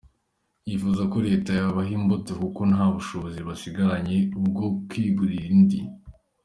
Yifuza ko leta yabaha imbuto kuko nta bushobozi basigaranye bwo kwigurira indi.